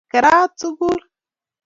kerat sukul